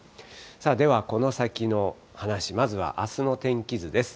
ではこの先の話、まずはあすの天気図です。